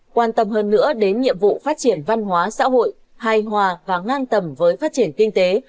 quan tâm hơn nữa đến nhiệm vụ phát triển văn hóa xã hội hài hòa và ngang tầm với phát triển kinh tế